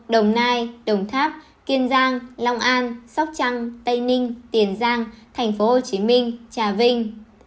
đồng nai đồng tháp kiên giang long an sóc trăng tây ninh tiền giang tp hcm trà vinh